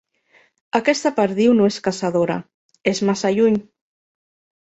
Aquesta perdiu no és caçadora: és massa lluny.